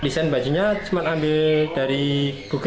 desain bajunya cuma ambil dari google